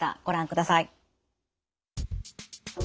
ご覧ください。